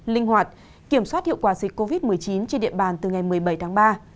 linh hoạt kiểm soát hiệu quả dịch covid một mươi chín trên địa bàn từ ngày một mươi bảy tháng ba